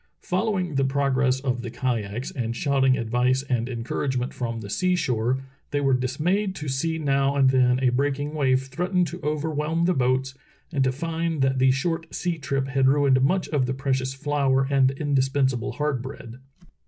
Following the progress of the kayaks and shouting advice and encouragement from the sea shore. Relief of American Whalers at Point Barrow 275 they were dismayed to see now and then a breaking wave threaten to overwhelm the boats and to iinj that the short sea trip had ruined much of the precious flour and indispensable hard bread.